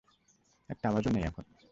একটা আওয়াজও নেই এখন।